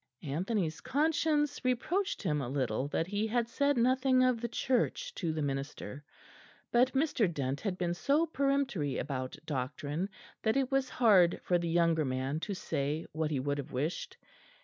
Anthony's conscience reproached him a little that he had said nothing of the Church to the minister; but Mr. Dent had been so peremptory about doctrine that it was hard for the younger man to say what he would have wished.